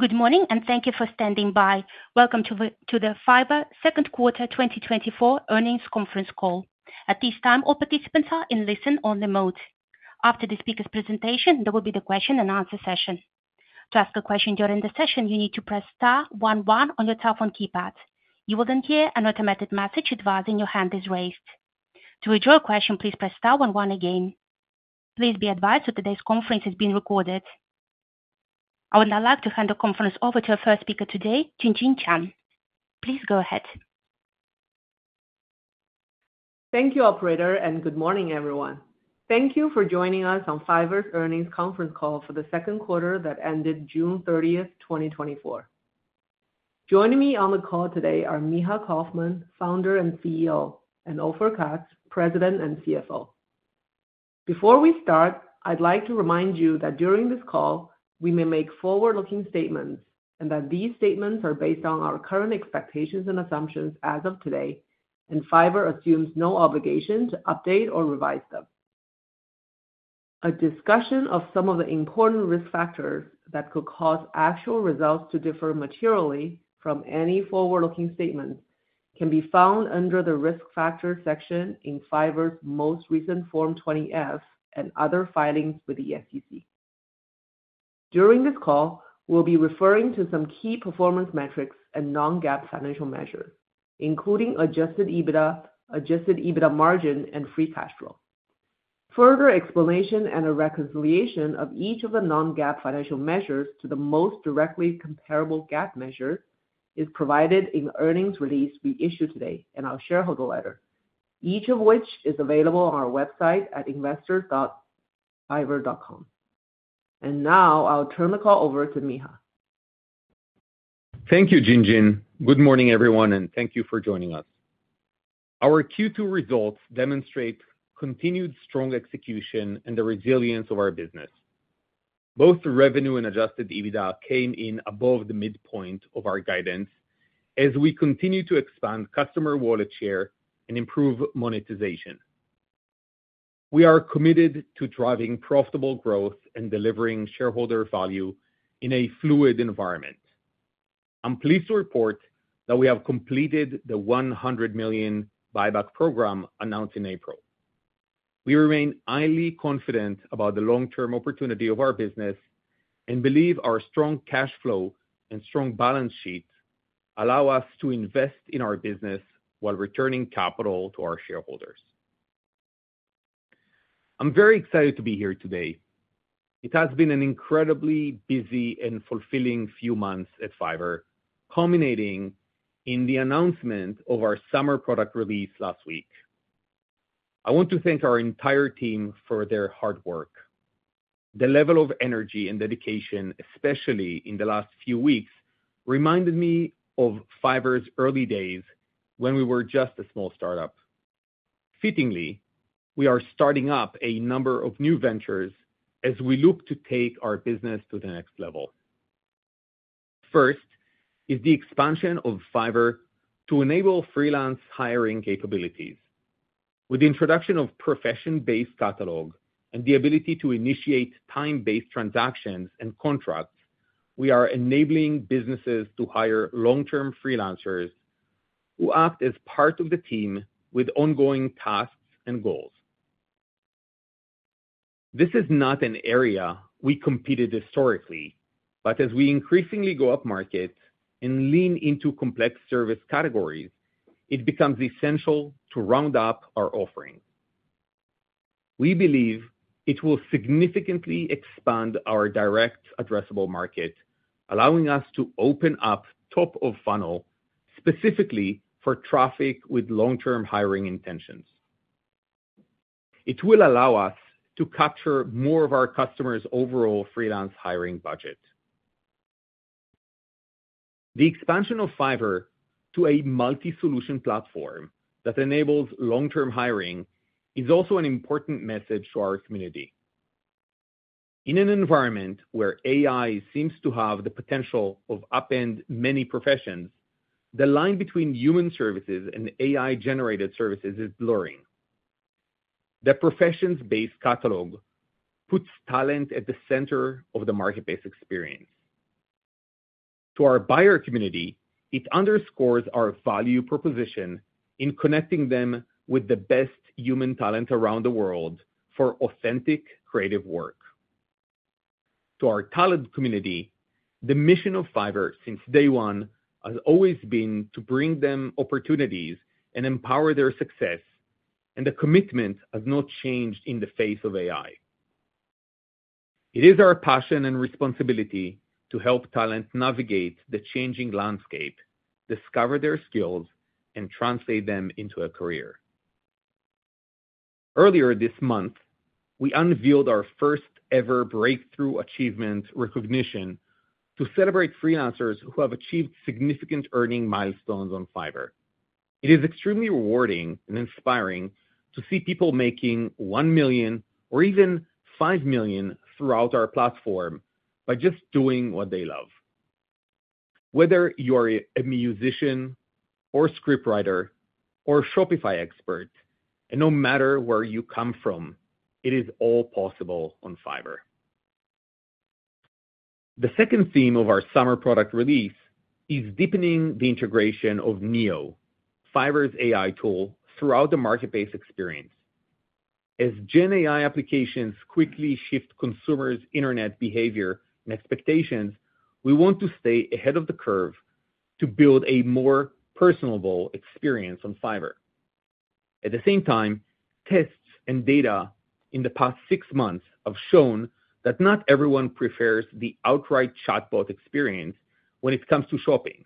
Good morning, and thank you for standing by. Welcome to the Fiverr Q2 2024 earnings conference call. At this time, all participants are in listen-only mode. After the speaker's presentation, there will be the question-and-answer session. To ask a question during the session, you need to press star one one on your telephone keypad. You will then hear an automated message advising your hand is raised. To withdraw a question, please press star one one again. Please be advised that today's conference is being recorded. I would now like to hand the conference over to our first speaker today, Jinjin Qian. Please go ahead. Thank you, Operator, and good morning, everyone. Thank you for joining us on Fiverr's earnings conference call for the Q2 that ended 30 June 2024. Joining me on the call today are Micha Kaufman, Founder and CEO, and Ofer Katz, President and CFO. Before we start, I'd like to remind you that during this call, we may make forward-looking statements and that these statements are based on our current expectations and assumptions as of today, and Fiverr assumes no obligation to update or revise them. A discussion of some of the important risk factors that could cause actual results to differ materially from any forward-looking statement can be found under the risk factor section in Fiverr's most recent Form 20-F and other filings with the SEC. During this call, we'll be referring to some key performance metrics and non-GAAP financial measures, including adjusted EBITDA, adjusted EBITDA margin, and free cash flow. Further explanation and a reconciliation of each of the non-GAAP financial measures to the most directly comparable GAAP measure is provided in the earnings release we issued today and our shareholder letter, each of which is available on our website at investor.fiverr.com. Now I'll turn the call over to Micha. Thank you, Jinjin. Good morning, everyone, and thank you for joining us. Our Q2 results demonstrate continued strong execution and the resilience of our business. Both revenue and adjusted EBITDA came in above the midpoint of our guidance as we continue to expand customer wallet share and improve monetization. We are committed to driving profitable growth and delivering shareholder value in a fluid environment. I'm pleased to report that we have completed the $100 million buyback program announced in April. We remain highly confident about the long-term opportunity of our business and believe our strong cash flow and strong balance sheet allow us to invest in our business while returning capital to our shareholders. I'm very excited to be here today. It has been an incredibly busy and fulfilling few months at Fiverr, culminating in the announcement of our summer product release last week. I want to thank our entire team for their hard work. The level of energy and dedication, especially in the last few weeks, reminded me of Fiverr's early days when we were just a small startup. Fittingly, we are starting up a number of new ventures as we look to take our business to the next level. First is the expansion of Fiverr to enable freelance hiring capabilities. With the introduction of a professions-based catalog and the ability to initiate time-based transactions and contracts, we are enabling businesses to hire long-term freelancers who act as part of the team with ongoing tasks and goals. This is not an area we competed historically, but as we increasingly go upmarket and lean into complex service categories, it becomes essential to round up our offering. We believe it will significantly expand our direct addressable market, allowing us to open up top-of-funnel specifically for traffic with long-term hiring intentions. It will allow us to capture more of our customers' overall freelance hiring budget. The expansion of Fiverr to a multi-solution platform that enables long-term hiring is also an important message to our community. In an environment where AI seems to have the potential of upending many professions, the line between human services and AI-generated services is blurring. The professions-based catalog puts talent at the center of the marketplace experience. To our buyer community, it underscores our value proposition in connecting them with the best human talent around the world for authentic creative work. To our talent community, the mission of Fiverr since day one has always been to bring them opportunities and empower their success, and the commitment has not changed in the face of AI. It is our passion and responsibility to help talent navigate the changing landscape, discover their skills, and translate them into a career. Earlier this month, we unveiled our first-ever breakthrough achievement recognition to celebrate freelancers who have achieved significant earning milestones on Fiverr. It is extremely rewarding and inspiring to see people making $1 million or even $5 million throughout our platform by just doing what they love. Whether you are a musician, or a scriptwriter, or a Shopify expert, and no matter where you come from, it is all possible on Fiverr. The second theme of our summer product release is deepening the integration of Neo, Fiverr's AI tool, throughout the marketplace experience. As Gen-AI applications quickly shift consumers' internet behavior and expectations, we want to stay ahead of the curve to build a more personable experience on Fiverr. At the same time, tests and data in the past six months have shown that not everyone prefers the outright chatbot experience when it comes to shopping.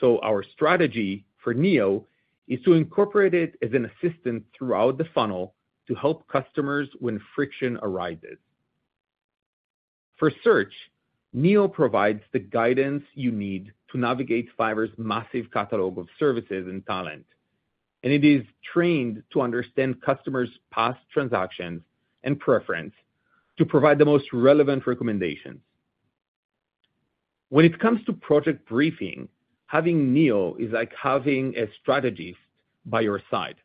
So our strategy for Neo is to incorporate it as an assistant throughout the funnel to help customers when friction arises. For search, Neo provides the guidance you need to navigate Fiverr's massive catalog of services and talent, and it is trained to understand customers' past transactions and preference to provide the most relevant recommendations. When it comes to project briefing, having Neo is like having a strategist by your side.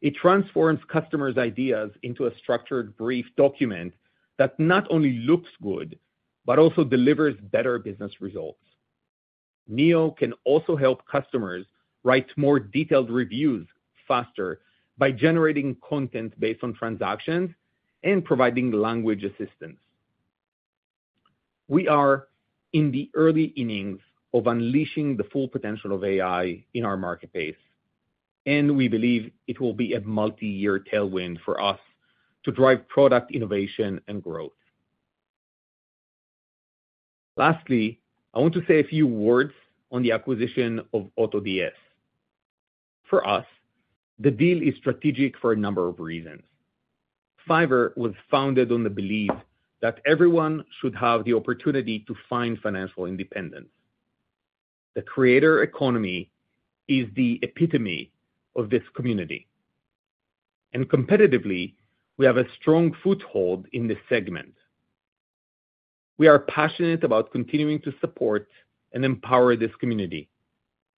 It transforms customers' ideas into a structured brief document that not only looks good but also delivers better business results. Neo can also help customers write more detailed reviews faster by generating content based on transactions and providing language assistance. We are in the early innings of unleashing the full potential of AI in our marketplace, and we believe it will be a multi-year tailwind for us to drive product innovation and growth. Lastly, I want to say a few words on the acquisition of AutoDS. For us, the deal is strategic for a number of reasons. Fiverr was founded on the belief that everyone should have the opportunity to find financial independence. The creator economy is the epitome of this community, and competitively, we have a strong foothold in this segment. We are passionate about continuing to support and empower this community.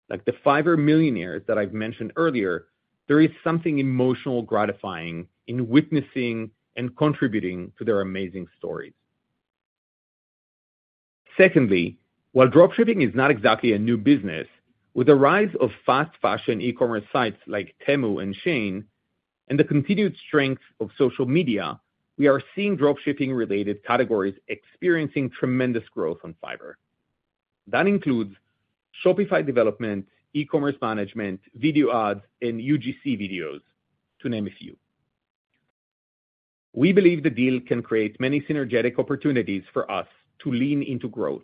Like the Fiverr millionaires that I've mentioned earlier, there is something emotionally gratifying in witnessing and contributing to their amazing stories. Secondly, while dropshipping is not exactly a new business, with the rise of fast fashion e-commerce sites like Temu and SHEIN and the continued strength of social media, we are seeing dropshipping-related categories experiencing tremendous growth on Fiverr. That includes Shopify development, e-commerce management, video ads, and UGC videos, to name a few. We believe the deal can create many synergetic opportunities for us to lean into growth.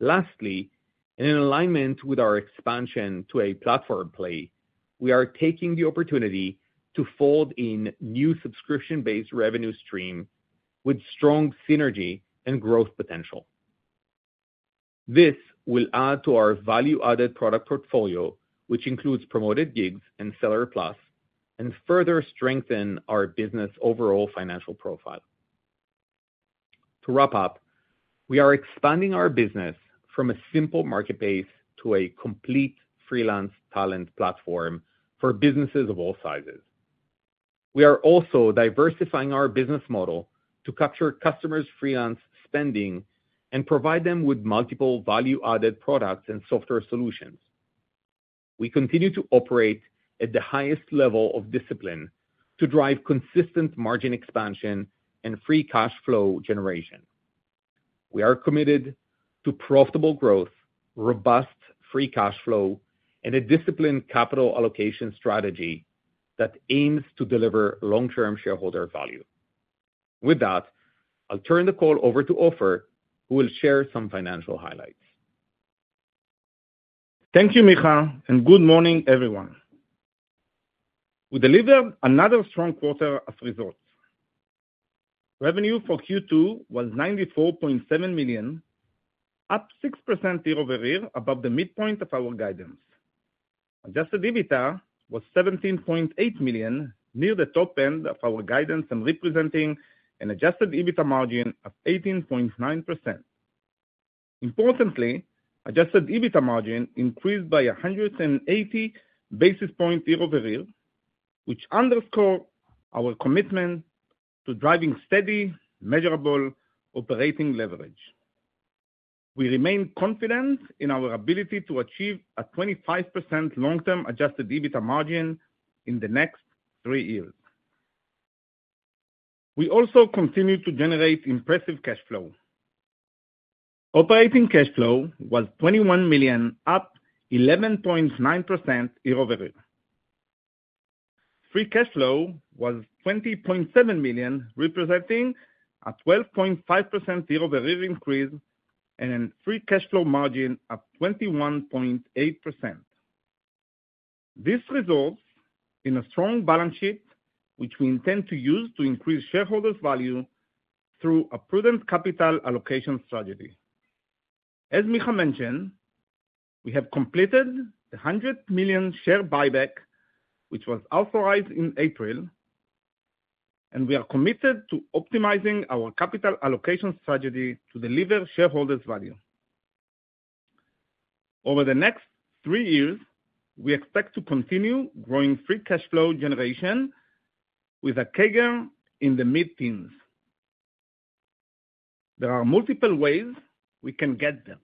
Lastly, in alignment with our expansion to a platform play, we are taking the opportunity to fold in a new subscription-based revenue stream with strong synergy and growth potential. This will add to our value-added product portfolio, which includes Promoted Gigs and Seller Plus, and further strengthen our business's overall financial profile. To wrap up, we are expanding our business from a simple marketplace to a complete freelance talent platform for businesses of all sizes. We are also diversifying our business model to capture customers' freelance spending and provide them with multiple value-added products and software solutions. We continue to operate at the highest level of discipline to drive consistent margin expansion and free cash flow generation. We are committed to profitable growth, robust free cash flow, and a disciplined capital allocation strategy that aims to deliver long-term shareholder value. With that, I'll turn the call over to Ofer, who will share some financial highlights. Thank you, Micha, and good morning, everyone. We delivered another strong quarter of results. Revenue for Q2 was $94.7 million, up 6% year-over-year, above the midpoint of our guidance. Adjusted EBITDA was $17.8 million, near the top end of our guidance and representing an adjusted EBITDA margin of 18.9%. Importantly, adjusted EBITDA margin increased by 180 basis points year-over-year, which underscores our commitment to driving steady, measurable operating leverage. We remain confident in our ability to achieve a 25% long-term adjusted EBITDA margin in the next three years. We also continue to generate impressive cash flow. Operating cash flow was $21 million, up 11.9% year-over-year. Free cash flow was $20.7 million, representing a 12.5% year-over-year increase and a free cash flow margin of 21.8%. This results in a strong balance sheet, which we intend to use to increase shareholders' value through a prudent capital allocation strategy. As Micha mentioned, we have completed the $100 million share buyback, which was authorized in April, and we are committed to optimizing our capital allocation strategy to deliver shareholders' value. Over the next three years, we expect to continue growing free cash flow generation with a CAGR in the mid-teens. There are multiple ways we can get there,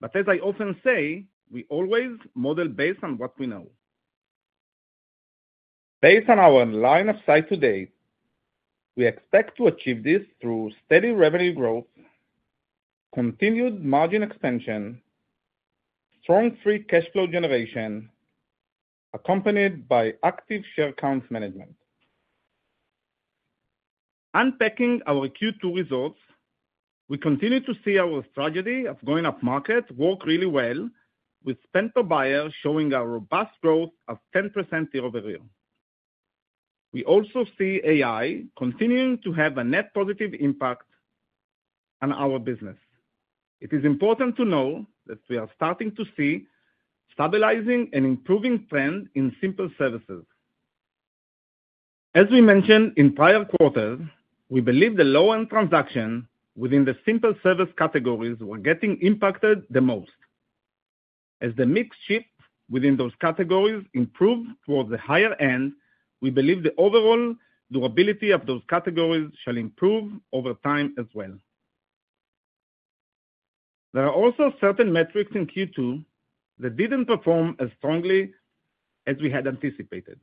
but as I often say, we always model based on what we know. Based on our line of sight to date, we expect to achieve this through steady revenue growth, continued margin expansion, strong free cash flow generation, accompanied by active share count management. Unpacking our Q2 results, we continue to see our strategy of going upmarket work really well, with Spend Per Buyer showing a robust growth of 10% year-over-year. We also see AI continuing to have a net positive impact on our business. It is important to know that we are starting to see a stabilizing and improving trend in Simple Services. As we mentioned in prior quarters, we believe the low-end transactions within the Simple Services categories were getting impacted the most. As the mix shift within those categories improves towards the higher end, we believe the overall durability of those categories shall improve over time as well. There are also certain metrics in Q2 that didn't perform as strongly as we had anticipated.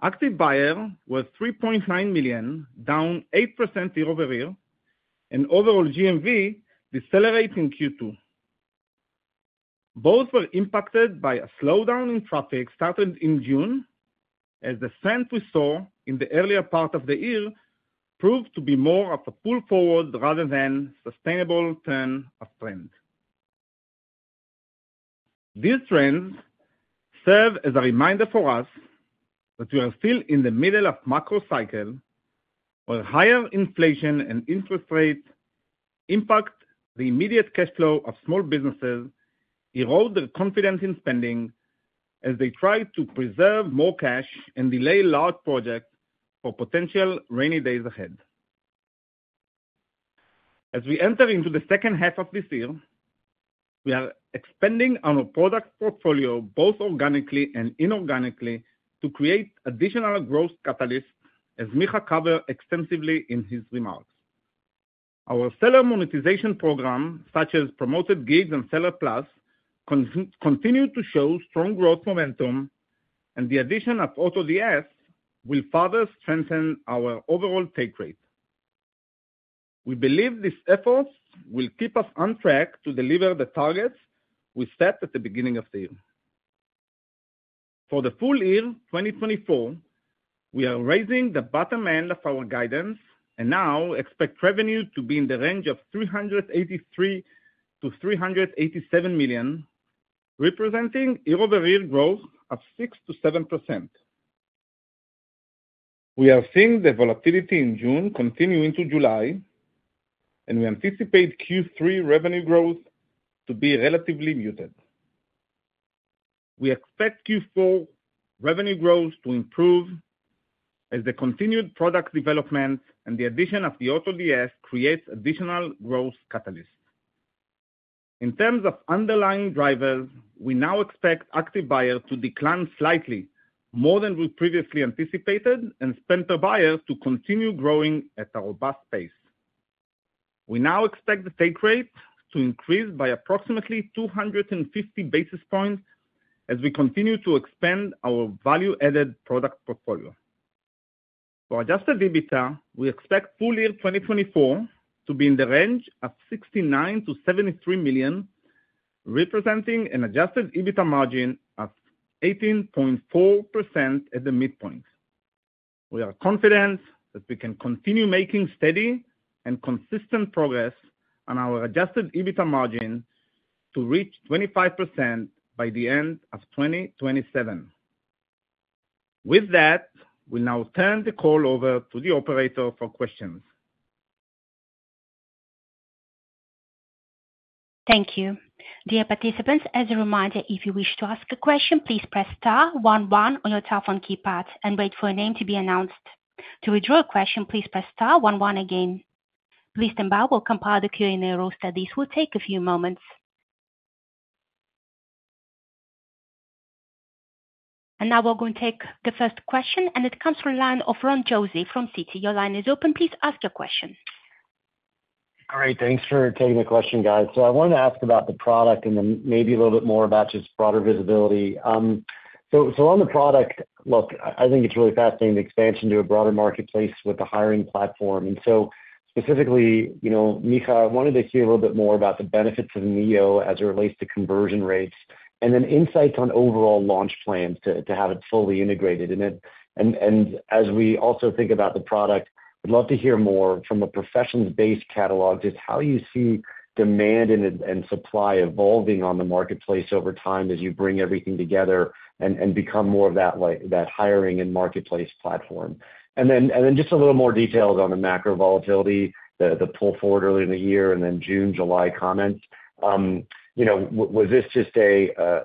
Active Buyer was $3.9 million, down 8% year-over-year, and overall GMV decelerating Q2. Both were impacted by a slowdown in traffic started in June, as the trend we saw in the earlier part of the year proved to be more of a pull forward rather than a sustainable turn of trend. These trends serve as a reminder for us that we are still in the middle of a macro cycle where higher inflation and interest rates impact the immediate cash flow of small businesses, erode their confidence in spending as they try to preserve more cash and delay large projects for potential rainy days ahead. As we enter into the H2 of this year, we are expanding our product portfolio both organically and inorganically to create additional growth catalysts, as Micha covered extensively in his remarks. Our seller monetization program, such as Promoted Gigs and Seller Plus, continues to show strong growth momentum, and the addition of AutoDS will further strengthen our overall take rate. We believe these efforts will keep us on track to deliver the targets we set at the beginning of the year. For the full year 2024, we are raising the bottom end of our guidance and now expect revenue to be in the range of $383 million-$387 million, representing year-over-year growth of 6% to 7%. We are seeing the volatility in June continue into July, and we anticipate Q3 revenue growth to be relatively muted. We expect Q4 revenue growth to improve as the continued product development and the addition of the AutoDS create additional growth catalysts. In terms of underlying drivers, we now expect active buyer to decline slightly, more than we previously anticipated, and spend-per-buyer to continue growing at a robust pace. We now expect the take rate to increase by approximately 250 basis points as we continue to expand our value-added product portfolio. For Adjusted EBITDA, we expect full year 2024 to be in the range of $69-$73 million, representing an Adjusted EBITDA margin of 18.4% at the midpoint. We are confident that we can continue making steady and consistent progress on our Adjusted EBITDA margin to reach 25% by the end of 2027. With that, we'll now turn the call over to the operator for questions. Thank you. Dear participants, as a reminder, if you wish to ask a question, please press star one one on your telephone keypad and wait for a name to be announced. To withdraw a question, please press star one one again. Please stand by, we'll compile the Q&A rules, so this will take a few moments. Now we're going to take the first question, and it comes from the line of Ron Josey from Citi. Your line is open. Please ask your question. Great. Thanks for taking the question, guys. So I wanted to ask about the product and then maybe a little bit more about just broader visibility. So on the product, look, I think it's really fascinating the expansion to a broader marketplace with the hiring platform. And so specifically, Micha, I wanted to hear a little bit more about the benefits of Neo as it relates to conversion rates and then insights on overall launch plans to have it fully integrated. And as we also think about the product, I'd love to hear more from a professions-based catalog just how you see demand and supply evolving on the marketplace over time as you bring everything together and become more of that hiring and marketplace platform. And then just a little more details on the macro volatility, the pull forward early in the year, and then June-July comments. Was this just a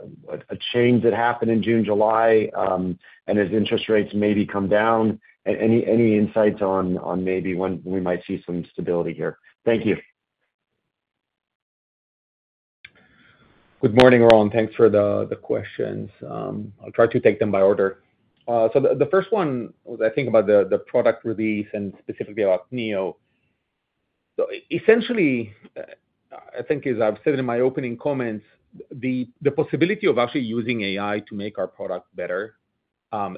change that happened in June-July, and has interest rates maybe come down? Any insights on maybe when we might see some stability here? Thank you. Good morning, Ron. Thanks for the questions. I'll try to take them by order. So the first one was, I think, about the product release and specifically about Neo. So essentially, I think, as I've said in my opening comments, the possibility of actually using AI to make our product better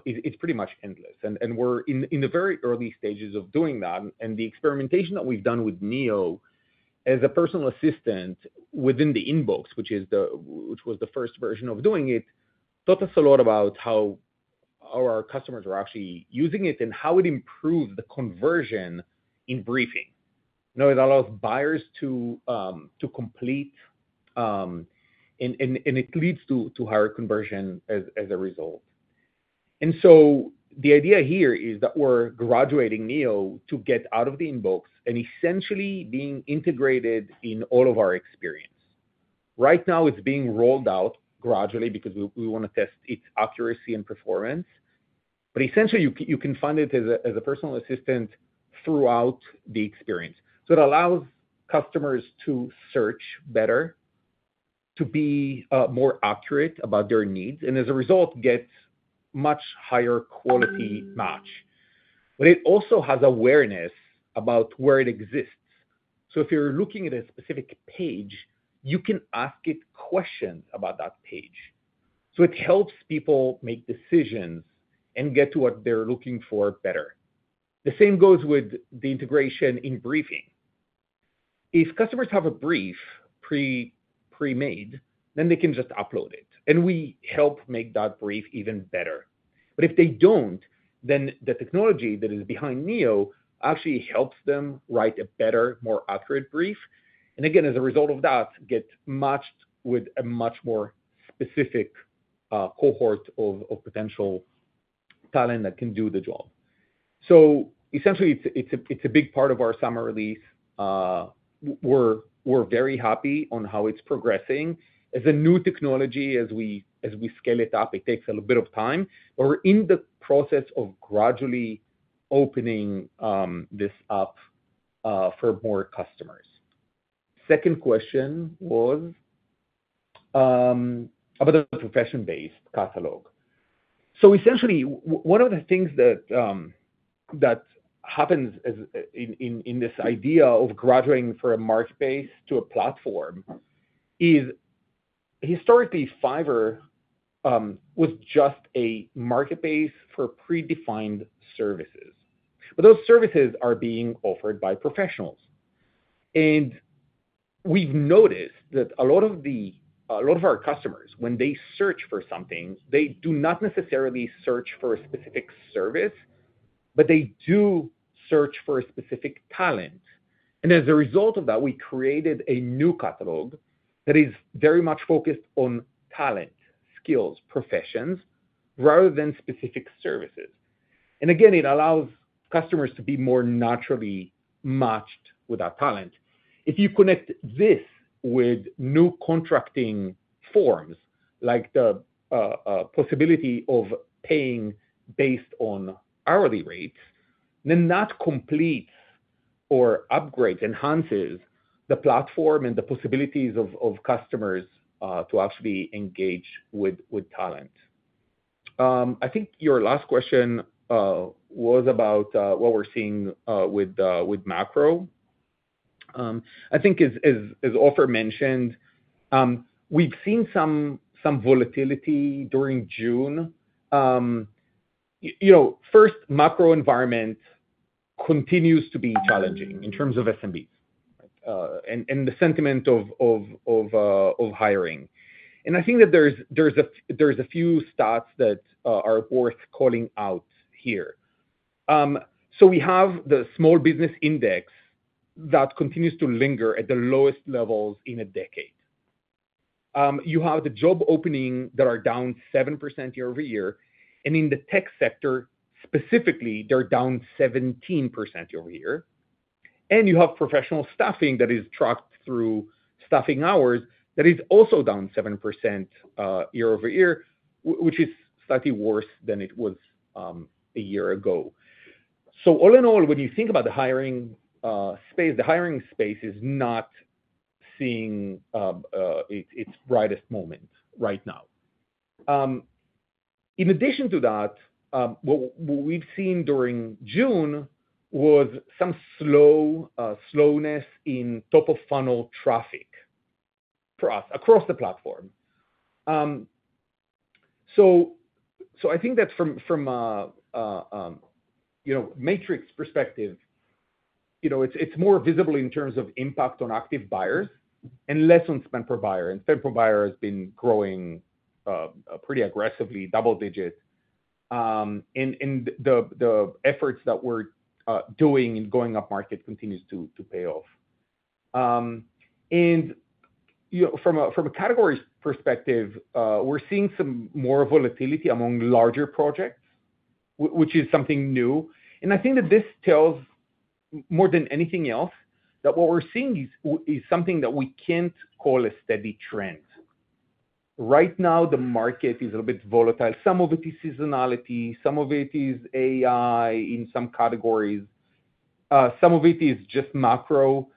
is pretty much endless. And we're in the very early stages of doing that. And the experimentation that we've done with Neo as a personal assistant within the inbox, which was the first version of doing it, taught us a lot about how our customers are actually using it and how it improves the conversion in briefing. It allows buyers to complete, and it leads to higher conversion as a result. And so the idea here is that we're graduating Neo to get out of the inbox and essentially being integrated in all of our experience. Right now, it's being rolled out gradually because we want to test its accuracy and performance. But essentially, you can find it as a personal assistant throughout the experience. So it allows customers to search better, to be more accurate about their needs, and as a result, get much higher quality match. But it also has awareness about where it exists. So if you're looking at a specific page, you can ask it questions about that page. So it helps people make decisions and get to what they're looking for better. The same goes with the integration in briefing. If customers have a brief pre-made, then they can just upload it, and we help make that brief even better. But if they don't, then the technology that is behind Neo actually helps them write a better, more accurate brief. And again, as a result of that, get matched with a much more specific cohort of potential talent that can do the job. So essentially, it's a big part of our summer release. We're very happy on how it's progressing. As a new technology, as we scale it up, it takes a little bit of time. But we're in the process of gradually opening this up for more customers. Second question was about the profession-based catalog. So essentially, one of the things that happens in this idea of graduating from a marketplace to a platform is historically, Fiverr was just a marketplace for pre-defined services. But those services are being offered by professionals. And we've noticed that a lot of our customers, when they search for something, they do not necessarily search for a specific service, but they do search for a specific talent. As a result of that, we created a new catalog that is very much focused on talent, skills, professions rather than specific services. Again, it allows customers to be more naturally matched with that talent. If you connect this with new contracting forms, like the possibility of paying based on hourly rates, then that completes or upgrades, enhances the platform and the possibilities of customers to actually engage with talent. I think your last question was about what we're seeing with macro. I think, as Ofer mentioned, we've seen some volatility during June. First, macro environment continues to be challenging in terms of SMBs and the sentiment of hiring. I think that there's a few stats that are worth calling out here. We have the small business index that continues to linger at the lowest levels in a decade. You have the job openings that are down 7% year-over-year. In the tech sector, specifically, they're down 17% year-over-year. You have professional staffing that is tracked through staffing hours that is also down 7% year-over-year, which is slightly worse than it was a year ago. All in all, when you think about the hiring space, the hiring space is not seeing its brightest moment right now. In addition to that, what we've seen during June was some slowness in top-of-funnel traffic across the platform. I think that from a metrics perspective, it's more visible in terms of impact on active buyers and less on spend-per-buyer. Spend-per-buyer has been growing pretty aggressively, double-digit. The efforts that we're doing in going upmarket continue to pay off. And from a category perspective, we're seeing some more volatility among larger projects, which is something new. And I think that this tells more than anything else that what we're seeing is something that we can't call a steady trend. Right now, the market is a little bit volatile. Some of it is seasonality. Some of it is AI in some categories. Some of it is just macro.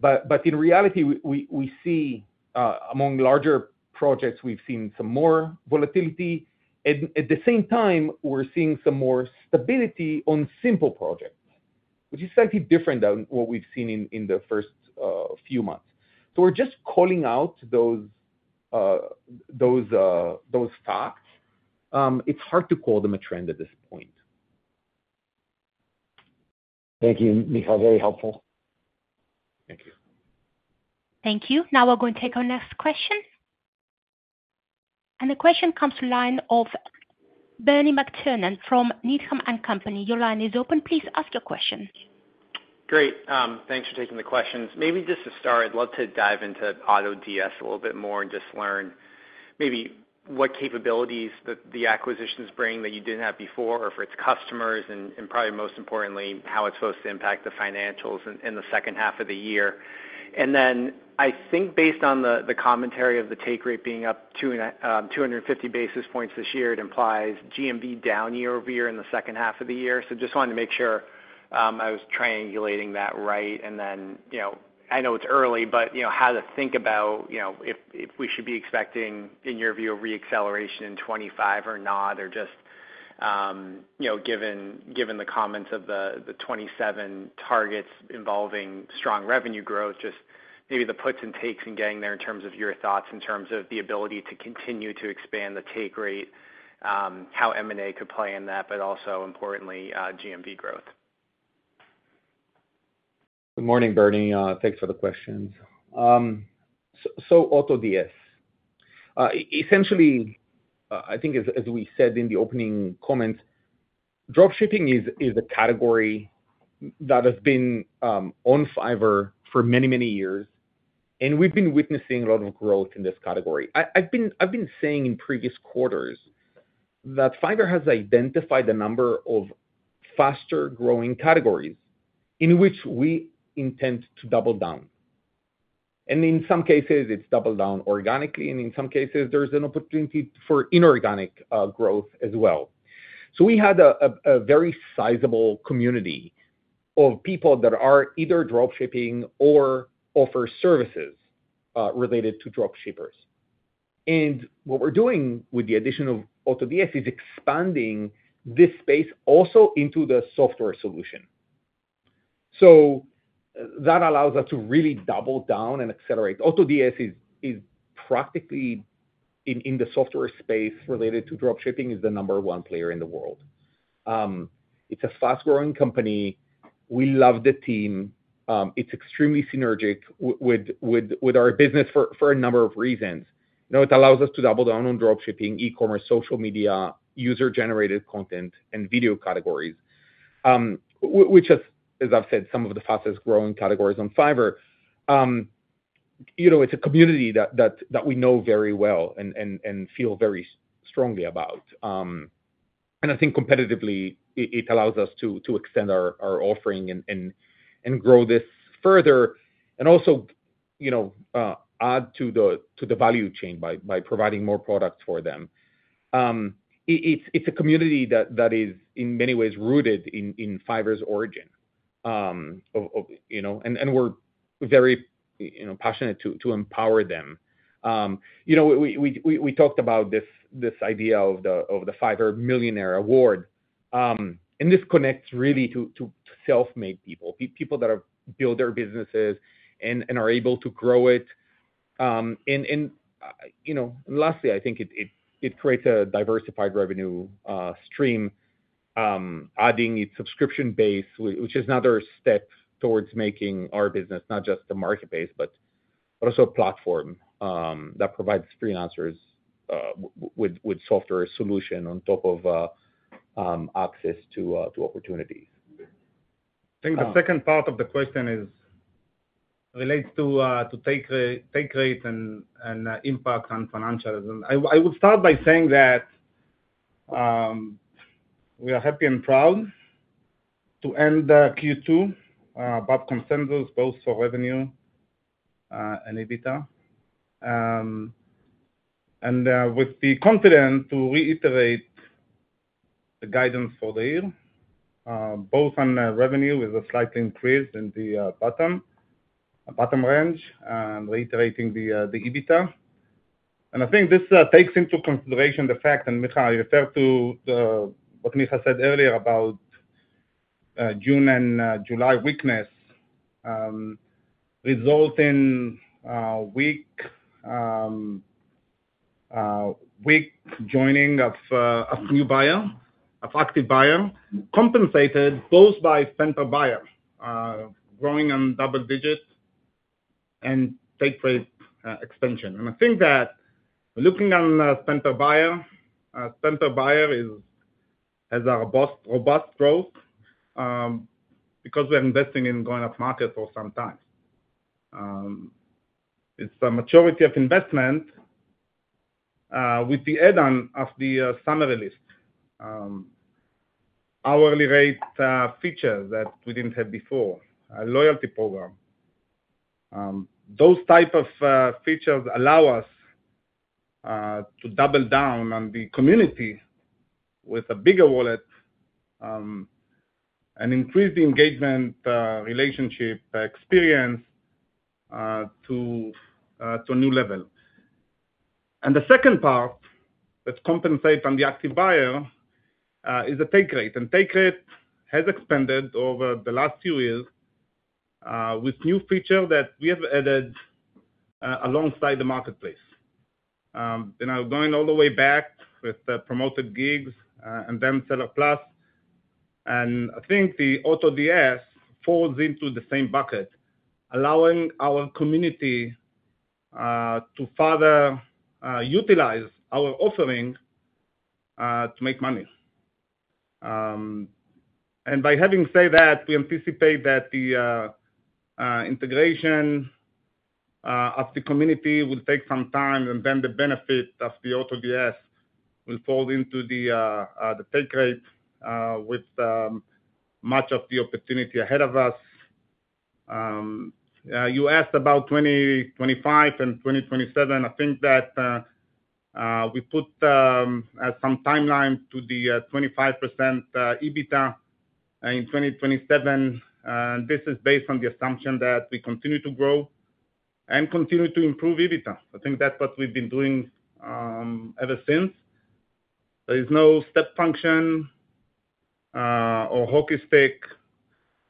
But in reality, we see among larger projects, we've seen some more volatility. And at the same time, we're seeing some more stability on simple projects, which is slightly different than what we've seen in the first few months. So we're just calling out those facts. It's hard to call them a trend at this point. Thank you, Micha. Very helpful. Thank you. Thank you. Now we're going to take our next question. The question comes from Bernie McTernan from Needham & Company. Your line is open. Please ask your question. Great. Thanks for taking the questions. Maybe just to start, I'd love to dive into AutoDS a little bit more and just learn maybe what capabilities that the acquisitions bring that you didn't have before for its customers and probably most importantly, how it's supposed to impact the financials in the H2 of the year. Then I think based on the commentary of the take rate being up 250 basis points this year, it implies GMV down year-over-year in the H2 of the year. Just wanted to make sure I was triangulating that right. And then I know it's early, but how to think about if we should be expecting, in your view, a reacceleration in 2025 or not, or just given the comments of the 2027 targets involving strong revenue growth, just maybe the puts and takes and getting there in terms of your thoughts in terms of the ability to continue to expand the take rate, how M&A could play in that, but also importantly, GMV growth? Good morning, Bernie. Thanks for the questions. So AutoDS, essentially, I think as we said in the opening comments, dropshipping is a category that has been on Fiverr for many, many years. And we've been witnessing a lot of growth in this category. I've been saying in previous quarters that Fiverr has identified a number of faster-growing categories in which we intend to double down. And in some cases, it's double down organically, and in some cases, there's an opportunity for inorganic growth as well. So we had a very sizable community of people that are either dropshipping or offer services related to dropshippers. And what we're doing with the addition of AutoDS is expanding this space also into the software solution. So that allows us to really double down and accelerate. AutoDS is practically in the software space related to dropshipping, is the number one player in the world. It's a fast-growing company. We love the team. It's extremely synergic with our business for a number of reasons. It allows us to double down on dropshipping, e-commerce, social media, user-generated content, and video categories, which is, as I've said, some of the fastest-growing categories on Fiverr. It's a community that we know very well and feel very strongly about. And I think competitively, it allows us to extend our offering and grow this further and also add to the value chain by providing more products for them. It's a community that is in many ways rooted in Fiverr's origin. And we're very passionate to empower them. We talked about this idea of the Fiverr Millionaire Award. And this connects really to self-made people, people that have built their businesses and are able to grow it. And lastly, I think it creates a diversified revenue stream, adding its subscription base, which is another step towards making our business not just a marketplace, but also a platform that provides freelancers with software solutions on top of access to opportunities. I think the second part of the question relates to take rates and impact on financials. I would start by saying that we are happy and proud to end Q2, both consensus, both for revenue and EBITDA. And with the confidence to reiterate the guidance for the year, both on revenue with a slight increase in the bottom range and reiterating the EBITDA. And I think this takes into consideration the fact, and Micha, I refer to what Micha said earlier about June and July weakness resulting in weak joining of new buyers, of active buyers, compensated both by spend-per-buyer, growing on double-digit and take rate extension. think that looking at Spend Per Buyer, Spend Per Buyer has robust growth because we're investing in going upmarket for some time. It's a maturity of investment with the add-on of the summary list, hourly rate features that we didn't have before, a loyalty program. Those types of features allow us to double down on the community with a bigger wallet and increase the engagement relationship experience to a new level. The second part that compensates on the Active Buyer is the Take Rate. Take Rate has expanded over the last few years with new features that we have added alongside the marketplace. We're going all the way back with the Promoted Gigs and then Seller Plus. I think the AutoDS falls into the same bucket, allowing our community to further utilize our offering to make money. By having said that, we anticipate that the integration of the community will take some time, and then the benefit of the AutoDS will fall into the take rate with much of the opportunity ahead of us. You asked about 2025 and 2027. I think that we put some timeline to the 25% EBITDA in 2027. This is based on the assumption that we continue to grow and continue to improve EBITDA. I think that's what we've been doing ever since. There is no step function or hockey stick.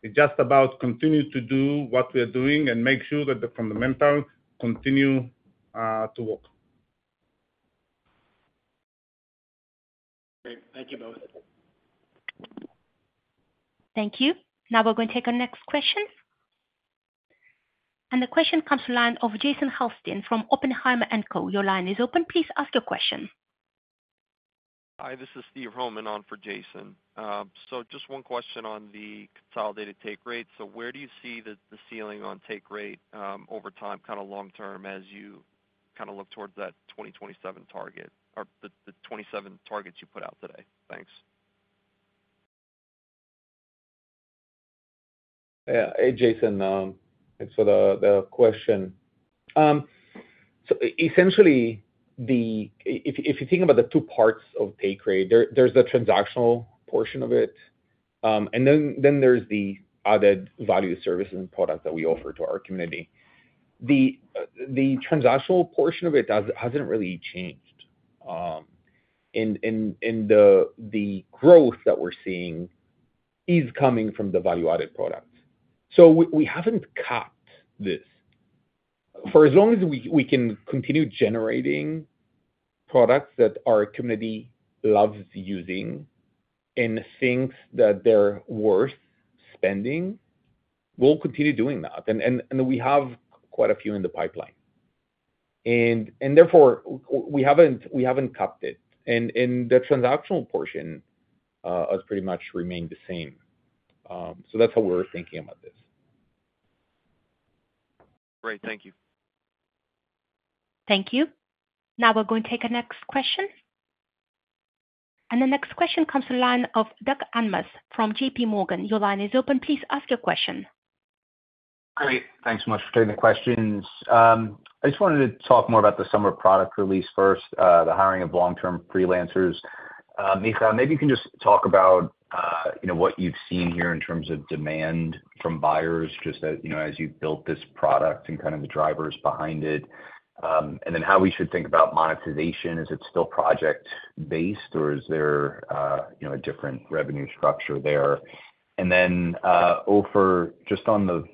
It's just about continuing to do what we are doing and make sure that the fundamentals continue to work. Great. Thank you both. Thank you. Now we're going to take our next question. The question comes from Jason Helfstein from Oppenheimer & Co. Your line is open. Please ask your question. Hi, this is Steve Roman on for Jason. So just one question on the consolidated take rate. So where do you see the ceiling on take rate over time, kind of long-term, as you kind of look towards that 2027 target or the 2027 targets you put out today? Thanks. Yeah. Hey, Jason. Thanks for the question. So essentially, if you think about the two parts of take rate, there's the transactional portion of it. And then there's the added value services and products that we offer to our community. The transactional portion of it hasn't really changed. And the growth that we're seeing is coming from the value-added products. So we haven't cut this. For as long as we can continue generating products that our community loves using and thinks that they're worth spending, we'll continue doing that. And we have quite a few in the pipeline. And therefore, we haven't cut it. And the transactional portion has pretty much remained the same. So that's how we're thinking about this. Great. Thank you. Thank you. Now we're going to take our next question. The next question comes from the line of Doug Anmuth from JPMorgan. Your line is open. Please ask your question. Great. Thanks so much for taking the questions. I just wanted to talk more about the summer product release first, the hiring of long-term freelancers. Micha, maybe you can just talk about what you've seen here in terms of demand from buyers just as you've built this product and kind of the drivers behind it, and then how we should think about monetization. Is it still project-based, or is there a different revenue structure there? And then Ofer just on the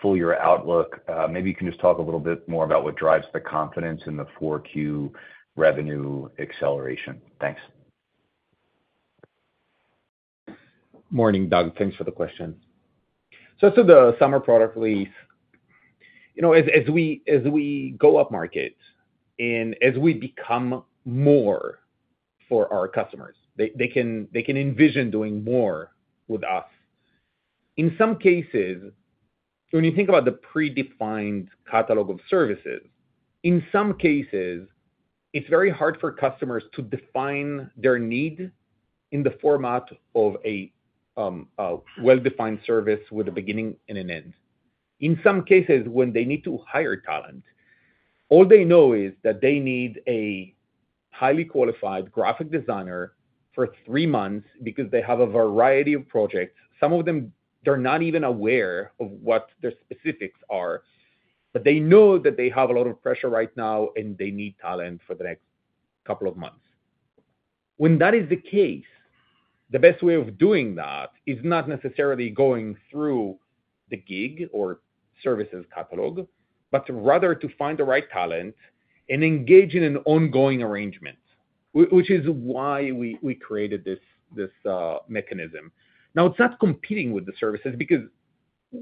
full year outlook, maybe you can just talk a little bit more about what drives the confidence in the 4Q revenue acceleration. Thanks. Morning, Doug. Thanks for the question. So the summer product release, as we go upmarket and as we become more for our customers, they can envision doing more with us. In some cases, when you think about the predefined catalog of services, in some cases, it's very hard for customers to define their need in the format of a well-defined service with a beginning and an end. In some cases, when they need to hire talent, all they know is that they need a highly qualified graphic designer for three months because they have a variety of projects. Some of them, they're not even aware of what their specifics are, but they know that they have a lot of pressure right now, and they need talent for the next couple of months. When that is the case, the best way of doing that is not necessarily going through the gig or services catalog, but rather to find the right talent and engage in an ongoing arrangement, which is why we created this mechanism. Now, it's not competing with the services because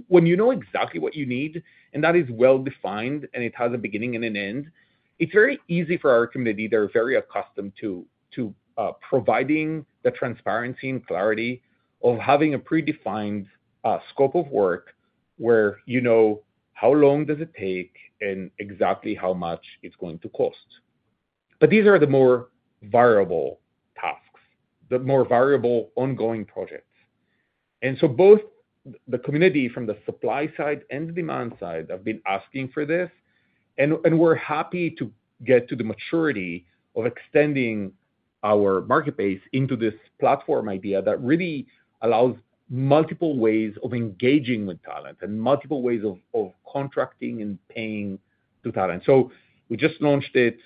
when you know exactly what you need, and that is well-defined, and it has a beginning and an end, it's very easy for our community. They're very accustomed to providing the transparency and clarity of having a predefined scope of work where you know how long does it take and exactly how much it's going to cost. But these are the more viable tasks, the more viable ongoing projects. And so both the community from the supply side and the demand side have been asking for this. And we're happy to get to the maturity of extending our marketplace into this platform idea that really allows multiple ways of engaging with talent and multiple ways of contracting and paying to talent. So we just launched it.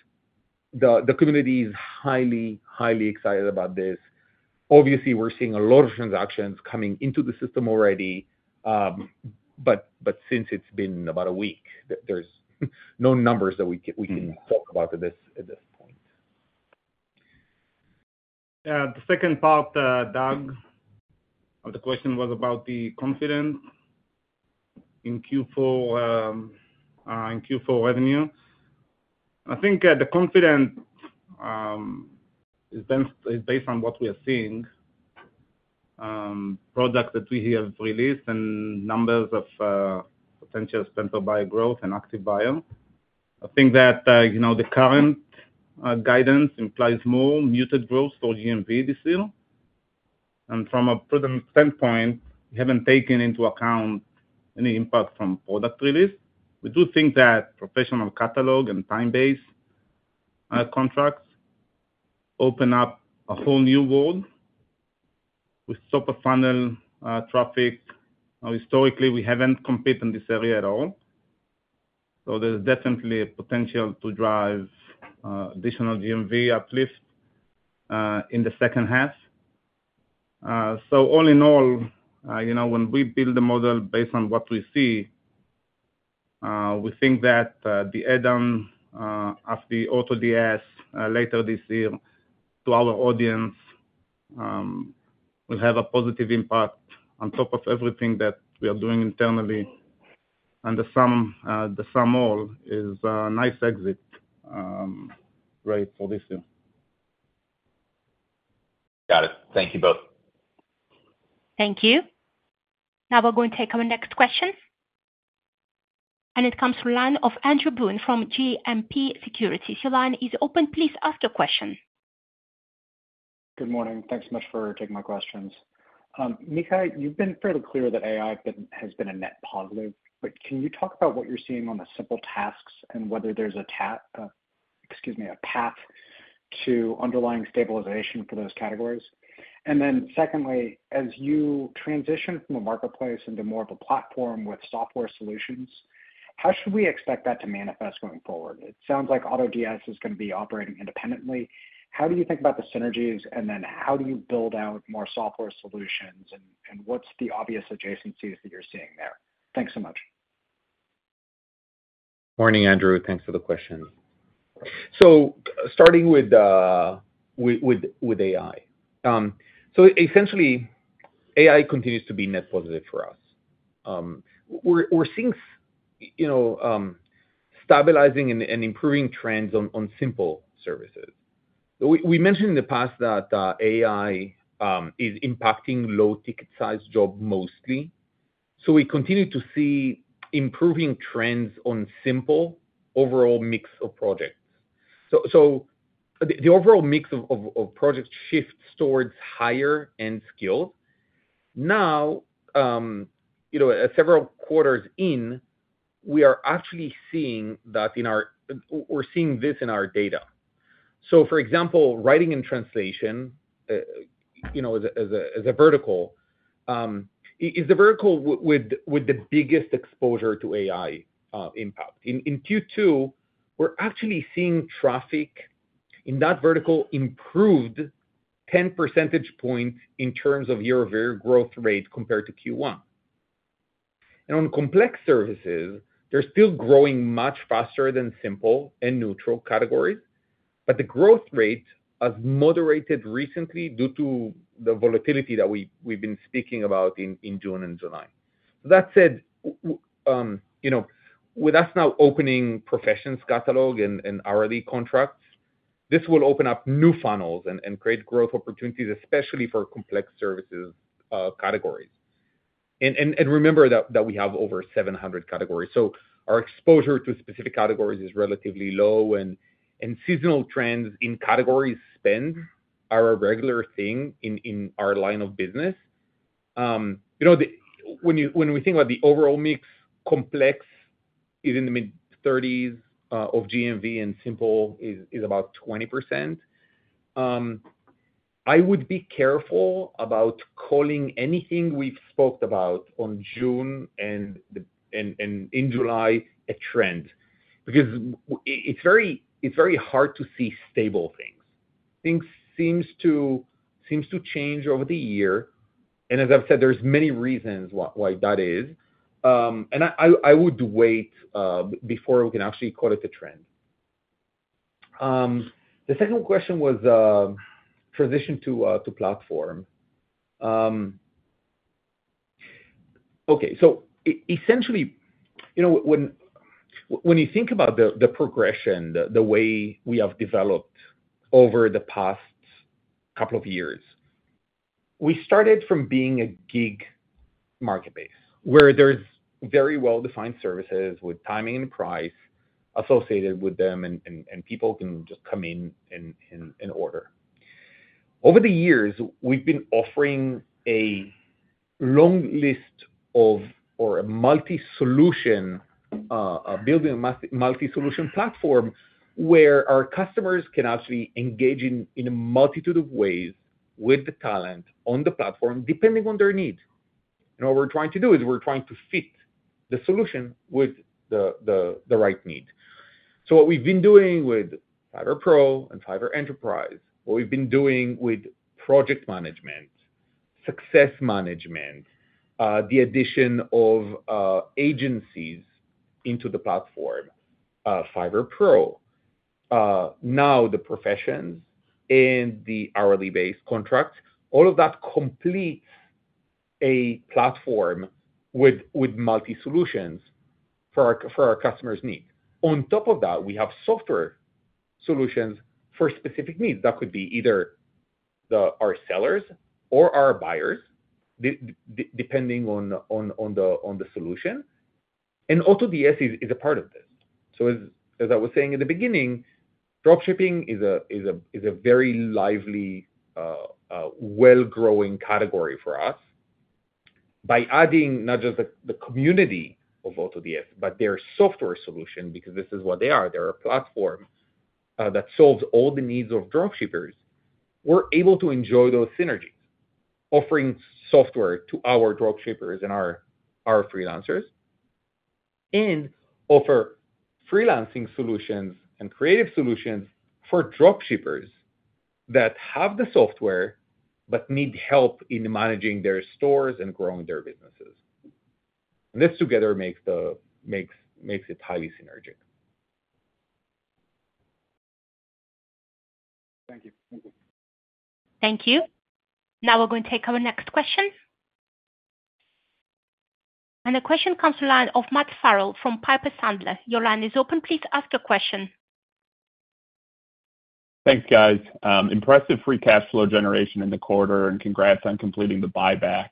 The community is highly, highly excited about this. Obviously, we're seeing a lot of transactions coming into the system already. But since it's been about a week, there's no numbers that we can talk about at this point. Yeah. The second part, Doug, of the question was about the confidence in Q4 revenue. I think the confidence is based on what we are seeing, products that we have released, and numbers of potential spend-per-buyer growth and active buyer. I think that the current guidance implies more muted growth for GMV this year. From a prudent standpoint, we haven't taken into account any impact from product release. We do think that professional catalog and time-based contracts open up a whole new world with superfunnel traffic. Historically, we haven't competed in this area at all. So there's definitely a potential to drive additional GMV uplift in the H2. So all in all, when we build a model based on what we see, we think that the add-on of the AutoDS later this year to our audience will have a positive impact on top of everything that we are doing internally. The sum all is a nice exit rate for this year. Got it. Thank you both. Thank you. Now we're going to take our next question. And it comes from the line of Andrew Boone from JMP Securities. Your line is open. Please ask your question. Good morning. Thanks so much for taking my questions. Micha, you've been fairly clear that AI has been a net positive. But can you talk about what you're seeing on the simple tasks and whether there's a path to underlying stabilization for those categories? And then secondly, as you transition from a marketplace into more of a platform with software solutions, how should we expect that to manifest going forward? It sounds like AutoDS is going to be operating independently. How do you think about the synergies? And then how do you build out more software solutions? And what's the obvious adjacencies that you're seeing there? Thanks so much. Morning, Andrew. Thanks for the question. So starting with AI. So essentially, AI continues to be net positive for us. We're seeing stabilizing and improving trends on simple services. We mentioned in the past that AI is impacting low-ticket size jobs mostly. So we continue to see improving trends on simple overall mix of projects. So the overall mix of projects shifts towards higher-end skills. Now, several quarters in, we are actually seeing that in our data. So for example, writing and translation as a vertical is the vertical with the biggest exposure to AI impact. In Q2, we're actually seeing traffic in that vertical improved 10 percentage points in terms of year-over-year growth rate compared to Q1. And on complex services, they're still growing much faster than simple and neutral categories. But the growth rate has moderated recently due to the volatility that we've been speaking about in June and July. That said, with us now opening professions catalog and hourly contracts, this will open up new funnels and create growth opportunities, especially for Complex Services categories. And remember that we have over 700 categories. So our exposure to specific categories is relatively low. And seasonal trends in categories spend are a regular thing in our line of business. When we think about the overall mix, Complex Services is in the mid-30s of GMV, and Simple is about 20%. I would be careful about calling anything we've spoken about on June and in July a trend because it's very hard to see stable things. Things seem to change over the year. And as I've said, there's many reasons why that is. I would wait before we can actually call it a trend. The second question was transition to platform. Okay. So essentially, when you think about the progression, the way we have developed over the past couple of years, we started from being a gig marketplace where there's very well-defined services with timing and price associated with them, and people can just come in and order. Over the years, we've been offering a long list of or a multi-solution building a multi-solution platform where our customers can actually engage in a multitude of ways with the talent on the platform depending on their needs. And what we're trying to do is we're trying to fit the solution with the right need. What we've been doing with Fiverr Pro and Fiverr Enterprise, what we've been doing with project management, success management, the addition of agencies into the platform, Fiverr Pro, now the professions, and the hourly-based contracts, all of that completes a platform with multi-solutions for our customers' needs. On top of that, we have software solutions for specific needs. That could be either our sellers or our buyers, depending on the solution. AutoDS is a part of this. As I was saying at the beginning, dropshipping is a very lively, well-growing category for us. By adding not just the community of AutoDS, but their software solution, because this is what they are, they're a platform that solves all the needs of dropshippers, we're able to enjoy those synergies, offering software to our dropshippers and our freelancers, and offer freelancing solutions and creative solutions for dropshippers that have the software but need help in managing their stores and growing their businesses. And this together makes it highly synergic. Thank you. Thank you. Now we're going to take our next question. The question comes from the line of Matt Farrell from Piper Sandler. Your line is open. Please ask your question. Thanks, guys. Impressive free cash flow generation in the quarter, and congrats on completing the buyback.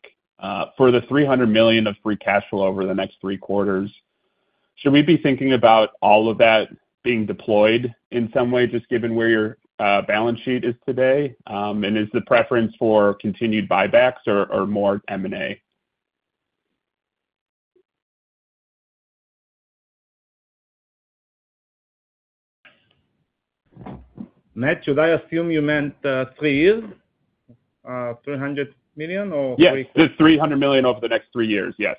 For the $300 million of free cash flow over the next three quarters, should we be thinking about all of that being deployed in some way, just given where your balance sheet is today? And is the preference for continued buybacks or more M&A? Matt, should I assume you meant three years, $300 million or? Yes, the $300 million over the next three years, yes.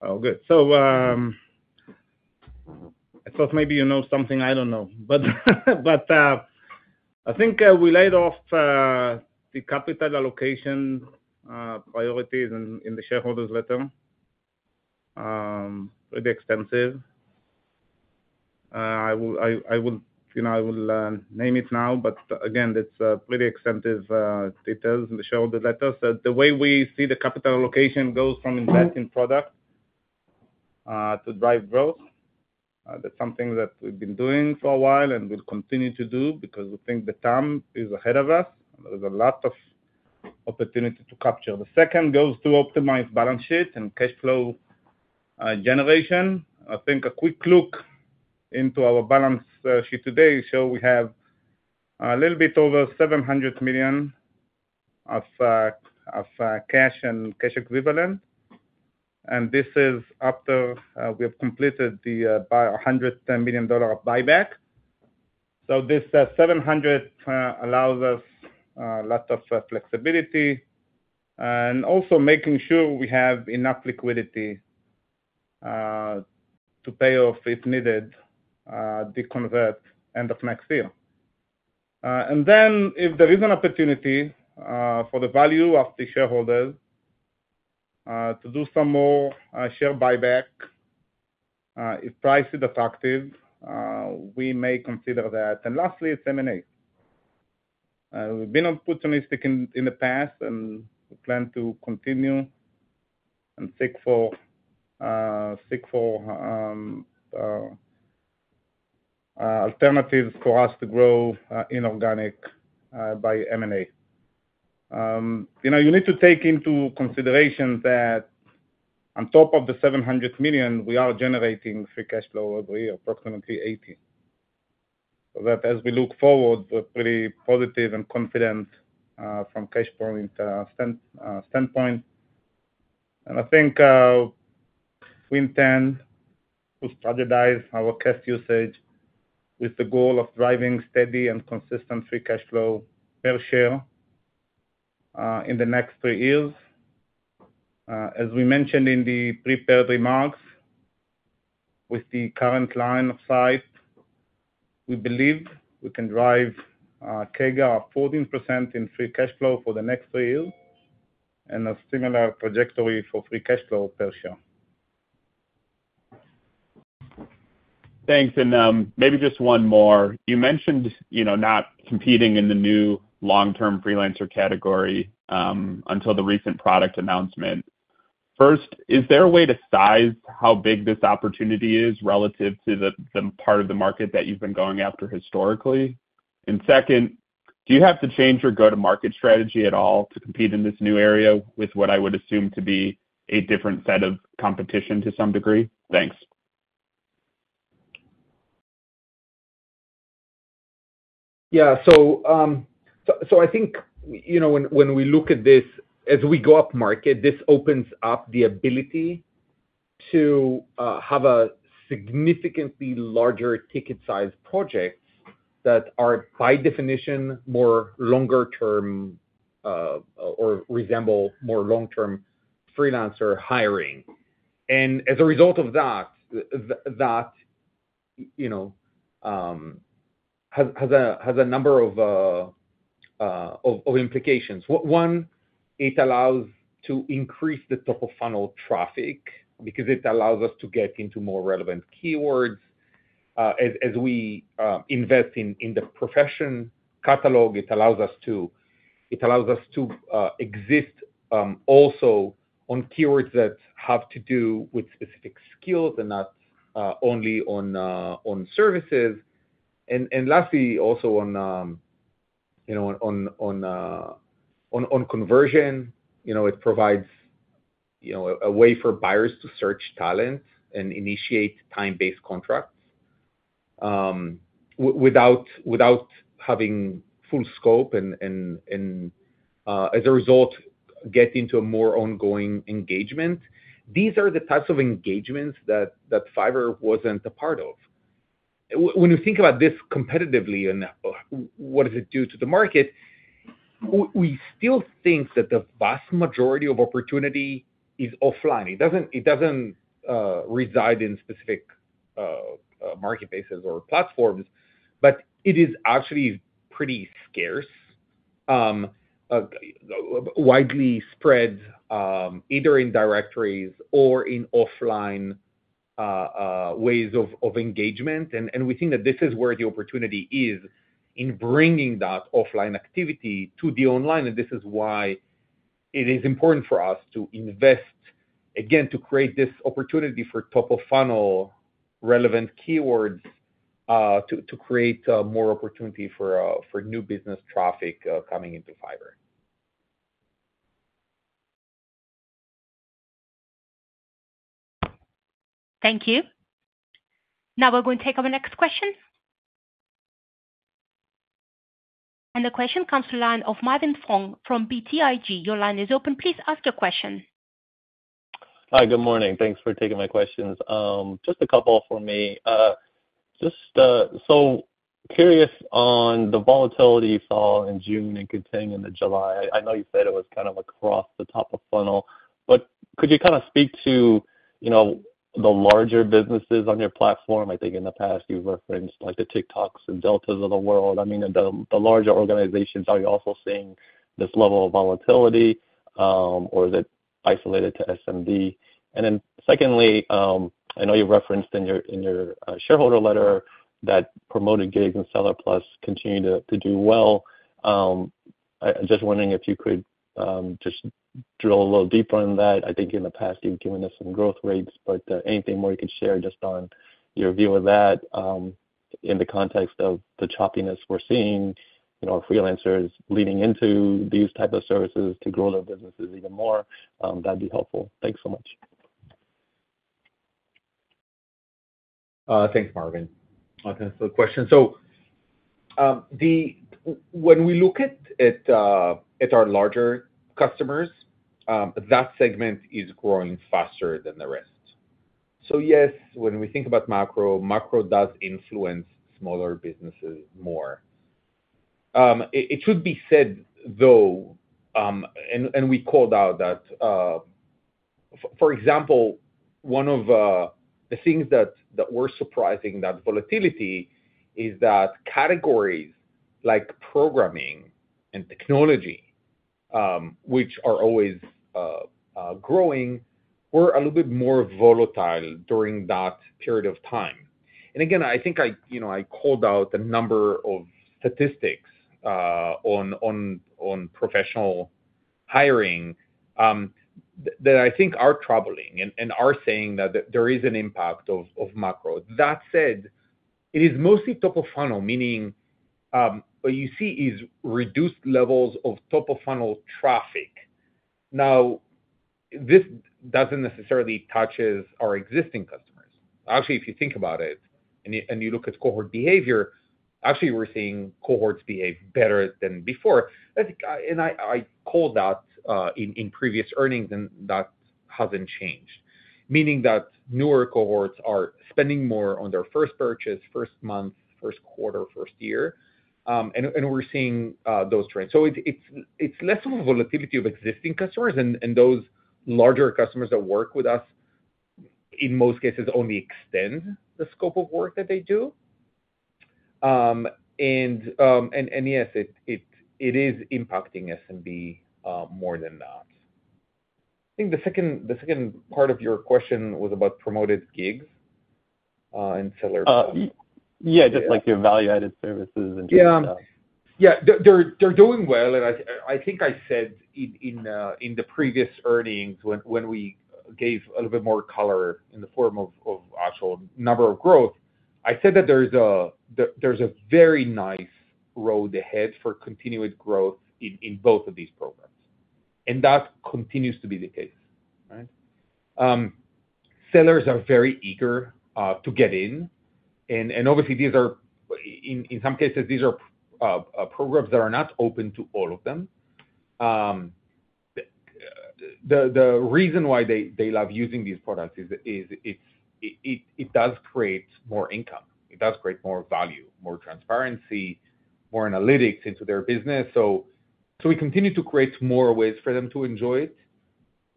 Oh, good. So I thought maybe you know something I don't know. But I think we laid out the capital allocation priorities in the shareholders' letter. Pretty extensive. I will name it now, but again, it's pretty extensive details in the shareholder letter. So the way we see the capital allocation goes from investing product to drive growth, that's something that we've been doing for a while and will continue to do because we think the time is ahead of us. There's a lot of opportunity to capture. The second goes to optimize balance sheet and cash flow generation. I think a quick look into our balance sheet today shows we have a little bit over $700 million of cash and cash equivalent. And this is after we have completed the $110 million buyback. So this $700 million allows us a lot of flexibility and also making sure we have enough liquidity to pay off if needed the convert end of next year. And then if there is an opportunity for the value of the shareholders to do some more share buyback, if price is attractive, we may consider that. And lastly, it's M&A. We've been opportunistic in the past, and we plan to continue and seek for alternatives for us to grow inorganic by M&A. You need to take into consideration that on top of the $700 million, we are generating free cash flow every year, approximately $80 million. So that as we look forward, we're pretty positive and confident from cash flow standpoint. And I think we intend to strategize our cash usage with the goal of driving steady and consistent free cash flow per share in the next three years. As we mentioned in the prepared remarks, with the current line of sight, we believe we can drive CAGR 14% in free cash flow for the next three years and a similar trajectory for free cash flow per share. Thanks. And maybe just one more. You mentioned not competing in the new long-term freelancer category until the recent product announcement. First, is there a way to size how big this opportunity is relative to the part of the market that you've been going after historically? And second, do you have to change your go-to-market strategy at all to compete in this new area with what I would assume to be a different set of competition to some degree? Thanks. Yeah. So I think when we look at this, as we go up market, this opens up the ability to have a significantly larger ticket size project that are by definition more longer term or resemble more long-term freelancer hiring. And as a result of that, that has a number of implications. One, it allows to increase the top of funnel traffic because it allows us to get into more relevant keywords. As we invest in the profession catalog, it allows us to exist also on keywords that have to do with specific skills and not only on services. And lastly, also on conversion, it provides a way for buyers to search talent and initiate time-based contracts without having full scope and as a result, get into a more ongoing engagement. These are the types of engagements that Fiverr wasn't a part of. When you think about this competitively and what does it do to the market, we still think that the vast majority of opportunity is offline. It doesn't reside in specific marketplaces or platforms, but it is actually pretty scarce, widely spread either in directories or in offline ways of engagement. We think that this is where the opportunity is in bringing that offline activity to the online. This is why it is important for us to invest, again, to create this opportunity for top of funnel relevant keywords to create more opportunity for new business traffic coming into Fiverr. Thank you. Now we're going to take our next question. The question comes from the line of Marvin Fong from BTIG. Your line is open. Please ask your question. Hi, good morning. Thanks for taking my questions. Just a couple for me. Just so curious on the volatility you saw in June and continuing into July. I know you said it was kind of across the top of funnel, but could you kind of speak to the larger businesses on your platform? I think in the past, you've referenced the TikToks and Deltas of the world. I mean, the larger organizations, are you also seeing this level of volatility, or is it isolated to SMB? And then secondly, I know you referenced in your shareholder letter that Promoted Gigs and Seller Plus continue to do well. Just wondering if you could just drill a little deeper on that. I think in the past, you've given us some growth rates, but anything more you could share just on your view of that in the context of the choppiness we're seeing, freelancers leaning into these types of services to grow their businesses even more, that'd be helpful. Thanks so much. Thanks, Marvin. Awesome question. So when we look at our larger customers, that segment is growing faster than the rest. So yes, when we think about macro, macro does influence smaller businesses more. It should be said, though, and we called out that, for example, one of the things that were surprising that volatility is that categories like programming and technology, which are always growing, were a little bit more volatile during that period of time. And again, I think I called out a number of statistics on professional hiring that I think are troubling and are saying that there is an impact of macro. That said, it is mostly top of funnel, meaning what you see is reduced levels of top of funnel traffic. Now, this doesn't necessarily touch our existing customers. Actually, if you think about it and you look at cohort behavior, actually, we're seeing cohorts behave better than before. I called that in previous earnings, and that hasn't changed, meaning that newer cohorts are spending more on their first purchase, first month, Q1, first year. We're seeing those trends. It's less of a volatility of existing customers, and those larger customers that work with us, in most cases, only extend the scope of work that they do. Yes, it is impacting SMB more than that. I think the second part of your question was about Promoted Gigs and Seller Plus. Yeah, just like your value-added services and just stuff. Yeah. Yeah. They're doing well. And I think I said in the previous earnings, when we gave a little bit more color in the form of actual number of growth, I said that there's a very nice road ahead for continued growth in both of these programs. And that continues to be the case, right? Sellers are very eager to get in. And obviously, in some cases, these are programs that are not open to all of them. The reason why they love using these products is it does create more income. It does create more value, more transparency, more analytics into their business. So we continue to create more ways for them to enjoy it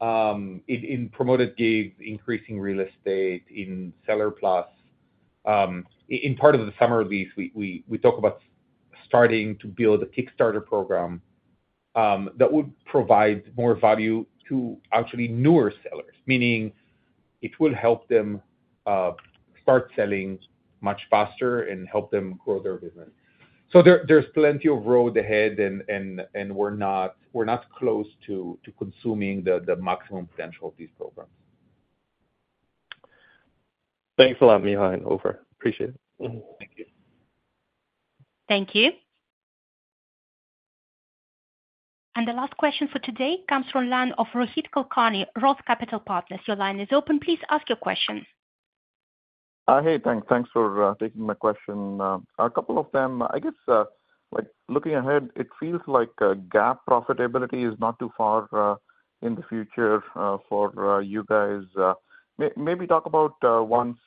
in Promoted Gigs, increasing real estate in Seller Plus. In part of the summer release, we talk about starting to build a Kickstarter program that would provide more value to actually newer sellers, meaning it will help them start selling much faster and help them grow their business. So there's plenty of road ahead, and we're not close to consuming the maximum potential of these programs. Thanks a lot, Micha and Ofer. Appreciate it. Thank you. Thank you. The last question for today comes from the line of Rohit Kulkarni, Roth Capital Partners. Your line is open. Please ask your question. Hey, thanks for taking my question. A couple of them, I guess looking ahead, it feels like GAAP profitability is not too far in the future for you guys. Maybe talk about once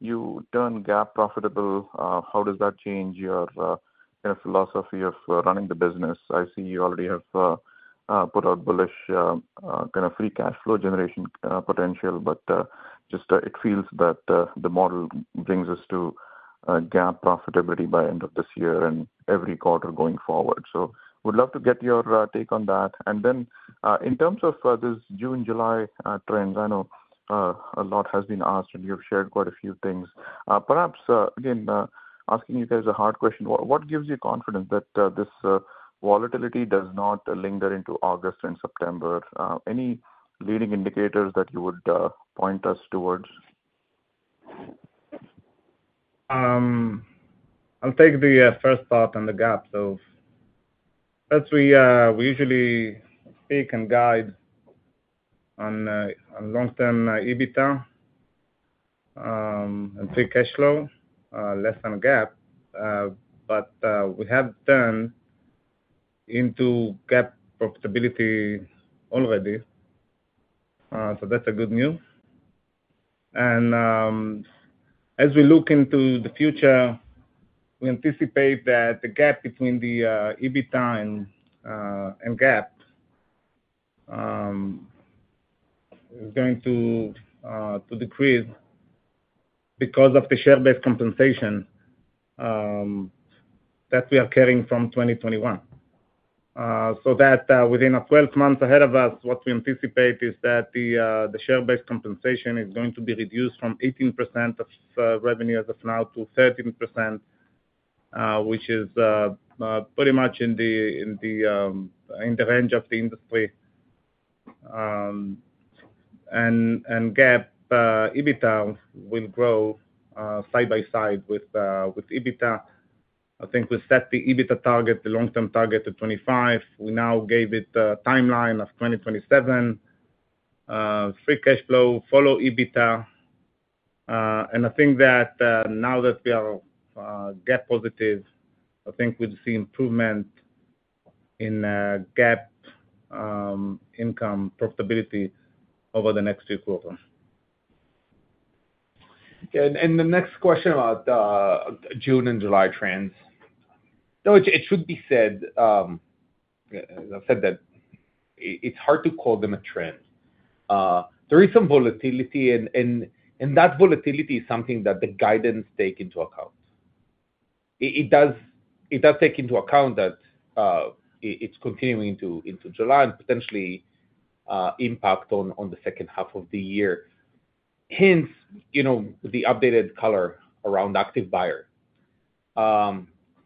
you turn GAAP profitable, how does that change your philosophy of running the business? I see you already have put out bullish kind of free cash flow generation potential, but just it feels that the model brings us to GAAP profitability by end of this year and every quarter going forward. So would love to get your take on that. And then in terms of this June-July trend, I know a lot has been asked, and you have shared quite a few things. Perhaps, again, asking you guys a hard question, what gives you confidence that this volatility does not linger into August and September? Any leading indicators that you would point us towards? I'll take the first thought on the GAAP. So as we usually speak and guide on long-term EBITDA and free cash flow, less than GAAP, but we have turned into GAAP profitability already. So that's good news. As we look into the future, we anticipate that the gap between the EBITDA and GAAP is going to decrease because of the share-based compensation that we are carrying from 2021. So that within 12 months ahead of us, what we anticipate is that the share-based compensation is going to be reduced from 18% of revenue as of now to 13%, which is pretty much in the range of the industry. And GAAP EBITDA will grow side by side with EBITDA. I think we set the EBITDA target, the long-term target to 25%. We now gave it a timeline of 2027, free cash flow, follow EBITDA. I think that now that we are GAAP positive, I think we'll see improvement in GAAP income profitability over the next three quarters. The next question about June and July trends. No, it should be said, as I've said, that it's hard to call them a trend. There is some volatility, and that volatility is something that the guidance takes into account. It does take into account that it's continuing into July and potential impact on the H2 of the year. Hence the updated color around active buyer.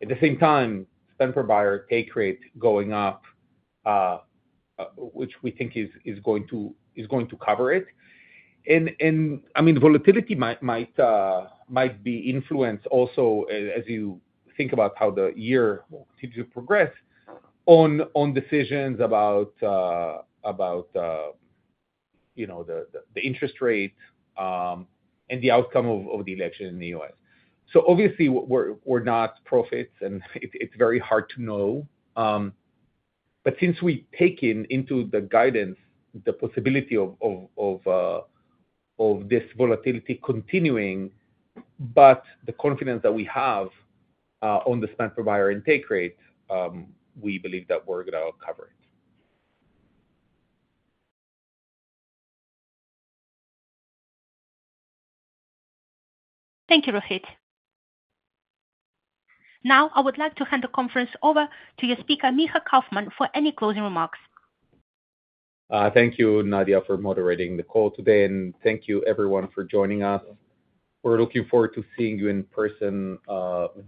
At the same time, spend per buyer per category going up, which we think is going to cover it. And I mean, volatility might be influenced also, as you think about how the year will continue to progress, on decisions about the interest rate and the outcome of the election in the U.S. So obviously, we're not prophets, and it's very hard to know. Since we take into the guidance the possibility of this volatility continuing, but the confidence that we have on the spend per buyer and take rate, we believe that we're going to cover it. Thank you, Rohit. Now, I would like to hand the conference over to your speaker, Micha Kaufman, for any closing remarks. Thank you, Nadia, for moderating the call today. Thank you, everyone, for joining us. We're looking forward to seeing you in person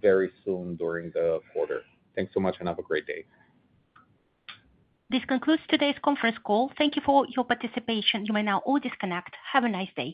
very soon during the quarter. Thanks so much, and have a great day. This concludes today's conference call. Thank you for your participation. You may now all disconnect. Have a nice day.